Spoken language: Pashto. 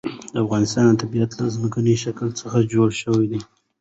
د افغانستان طبیعت له ځمکنی شکل څخه جوړ شوی دی.